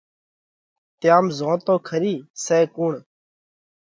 تيام زون تو کرِي سئہ ڪُوڻ؟